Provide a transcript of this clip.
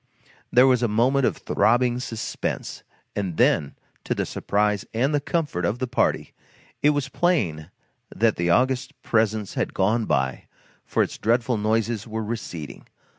There was a moment of throbbing suspense, and then, to the surprise and the comfort of the party, it was plain that the august presence had gone by, for its dreadful noises were receding.